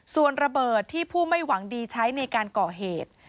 ส่วนระเบิดที่ผู้ไม่หวังดีใช้ในการก่อเหตุ